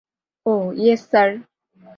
Oh, yes, sir.